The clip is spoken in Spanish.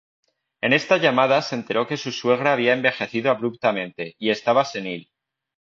En esta llamada se enteró que su suegra había envejecido abruptamente y estaba senil.